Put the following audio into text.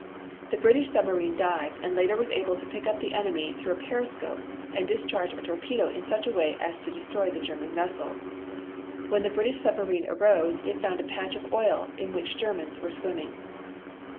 The British submarine dived and later was able to pick up the enemy through the periscope and discharge a torpedo in such a way as to destroy the German vessel. When the British submarine arose it found a patch of oil in which Germans were swimming.